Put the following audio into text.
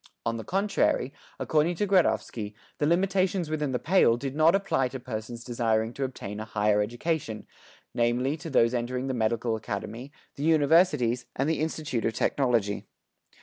On the contrary, according to Gradovsky, the limitations within the "Pale" did not apply to persons desiring to obtain a higher education, namely to those entering the medical academy, the universities, and the Institute of Technology.